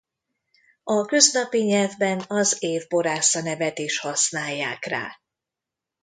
A köznapi nyelvben az év borásza nevet is használják rá.